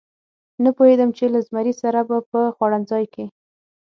نه پوهېدم چې له زمري سره به په خوړنځای کې.